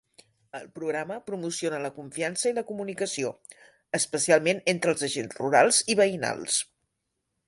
El programa promociona la confiança i la comunicació, especialment entre els agents rurals i veïnals.